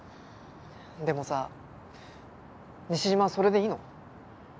でもさ西島はそれでいいの？